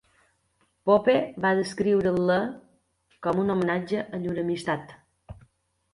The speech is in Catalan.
Pope va descriure-la com un homenatge a llur amistat.